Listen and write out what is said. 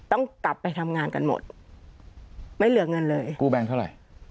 ต้องกลับไปทำงานกันหมดไม่เหลือเงินเลยกู้แบงเท่าไหร่